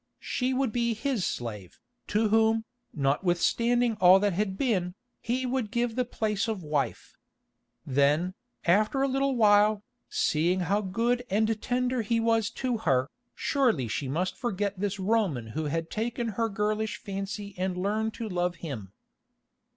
She would be his slave, to whom, notwithstanding all that had been, he would give the place of wife. Then, after a little while, seeing how good and tender he was to her, surely she must forget this Roman who had taken her girlish fancy and learn to love him.